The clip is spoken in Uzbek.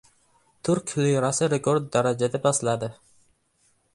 Turk lirasi rekord darajada pastladi